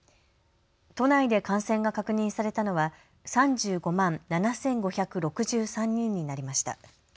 都内で感染が確認されたのは３５万７５６３人になりました。